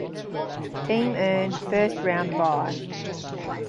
Team earned first-round bye.